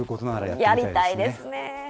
やりたいですね。